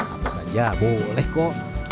apa saja boleh kok